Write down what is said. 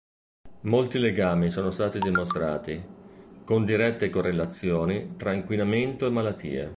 Molti legami sono stati dimostrati, con dirette correlazioni, tra inquinamento e malattie.